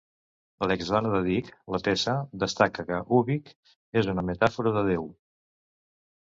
L'exdona de Dick, la Tessa, destaca que "Ubik" és una metàfora de Déu.